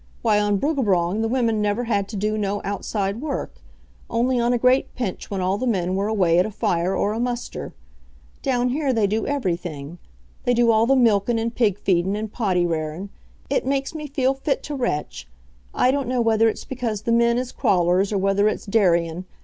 Why, on Bruggabrong the women never had to do no outside work, only on a great pinch wen all the men were away at a fire or a muster. Down here they do everything. They do all the milkin', and pig feedin', and poddy rarin'. It makes me feel fit to retch. I don't know whether it's because the men is crawlers or whether it's dairyin'.